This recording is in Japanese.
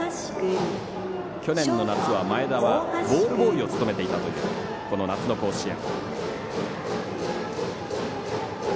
去年の夏は前田はボールボーイを務めていたというこの夏の甲子園。